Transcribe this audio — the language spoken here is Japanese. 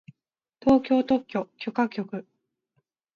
東京特許許可局